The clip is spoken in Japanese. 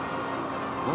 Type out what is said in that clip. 何？